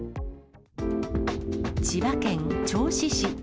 千葉県銚子市。